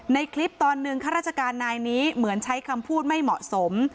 ในคลิปตอนหนึ่งข้าราชการนายนี้เหมือนใช้คำพูดไม่เหมาะสม